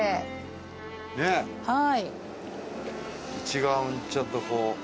内側ちょっとこう。